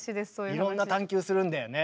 いろんな探究するんだよね？